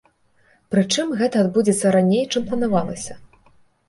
Прычым, гэта адбудзецца раней, чым планавалася.